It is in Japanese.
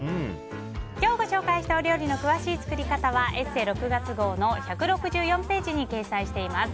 今日のご紹介した料理の詳しい作り方は「ＥＳＳＥ」６月号の１６４ページに掲載しています。